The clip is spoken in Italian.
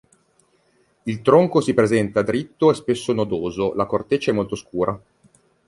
Il tronco si presenta dritto e spesso nodoso, la corteccia è molto scura.